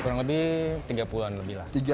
kurang lebih tiga puluh an lebih lah